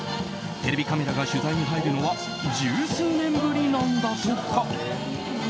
テレビカメラが取材に入るのは十数年ぶりなんだとか。